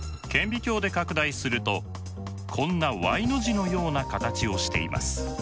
顕微鏡で拡大するとこんなＹの字のような形をしています。